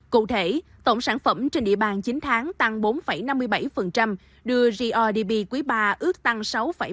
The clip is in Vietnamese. cụ thể tổng sản phẩm trên địa bàn chín tháng tăng bốn năm mươi bảy đưa grdp quý iii ước tăng sáu bảy mươi một so với cùng kỳ